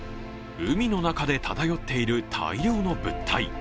海の中で漂っている大量の物体。